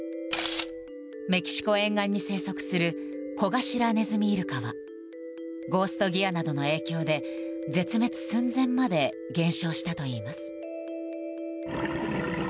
メキシコ沿岸に生息するコガシラネズミイルカはゴースト・ギアなどの影響で絶滅寸前まで減少したといいます。